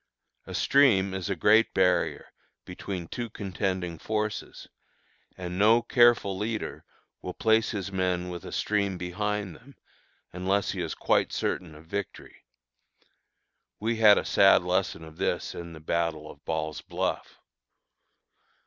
A stream is a great barrier, between two contending forces, and no careful leader will place his men with a stream behind them, unless he is quite certain of victory. We had a sad lesson of this in the battle of Ball's Bluff.